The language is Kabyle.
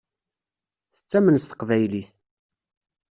Tettamen s teqbaylit.